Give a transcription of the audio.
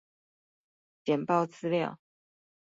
簡報資料